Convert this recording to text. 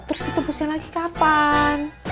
terus ditembusnya lagi kapan